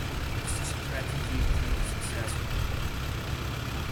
This strategy proved successful.